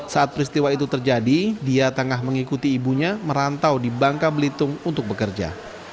saat peristiwa itu terjadi dia tengah mengikuti ibunya merantau di bangka belitung untuk bekerja